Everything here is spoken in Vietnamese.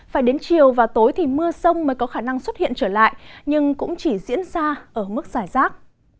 phải đến chiều và tối thì mưa sông mới có khả năng xuất hiện trở lại nhưng cũng chỉ diễn ra ở mức giải rác